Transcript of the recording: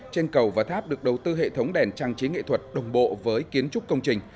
trên cầu và tháp được đầu tư hệ thống đèn trang trí nghệ thuật đồng bộ với kiến trúc công trình